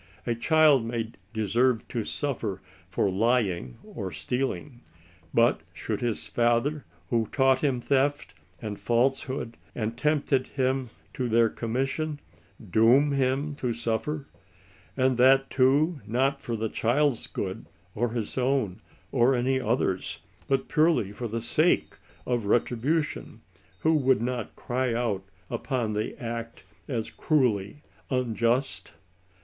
A child may <* deserve to suffer" for lying or stealing; but should his father, who had taught him theft and falsehood, and tempted him to their commission, ^* doom him to suffer," and that too, not for the child's good, or his own, or any other's, but purely for the sake of "retribution," who would not cry out upon the act as cruelly unjust?